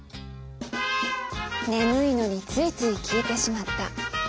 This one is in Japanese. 眠いのについつい聴いてしまった。